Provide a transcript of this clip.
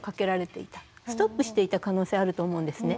ストップしていた可能性あると思うんですね。